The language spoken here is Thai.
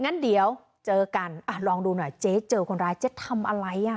งั้นเดี๋ยวเจอกันอ่ะลองดูหน่อยเจ๊เจอคนร้ายเจ๊ทำอะไรอ่ะ